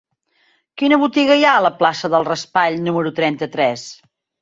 Quina botiga hi ha a la plaça del Raspall número trenta-tres?